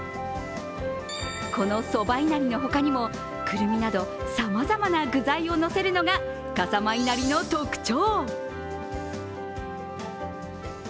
このそばいなりの他にもくるみなどさまざまな具材を乗せるのが笠間いなりの特徴。